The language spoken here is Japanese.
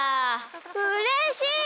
うれしい！